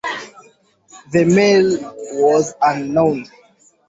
The male was unknown.